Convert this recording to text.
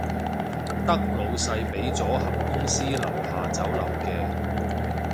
得老細畀咗盒公司樓下酒樓嘅